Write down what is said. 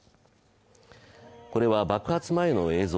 これは爆発前の映像。